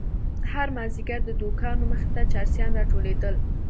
هر مازيگر د دوکانو مخې ته چرسيان راټولېدل.